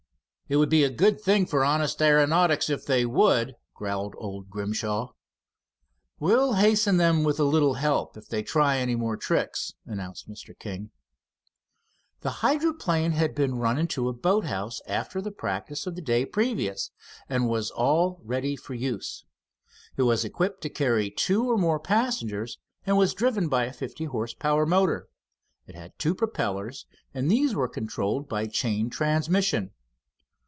"It would be a good thing for honest aeronautics if they would," growled old Grimshaw. "We'll hasten them with a little help, if they try any more tricks," announced Mr. King. The hydroplane had been run into a boat house after the practice of the day previous, and was all ready for use. It was equipped to carry two or more passengers, and was driven by a fifty horse power motor. It had two propellers, and these were controlled by chain transmission.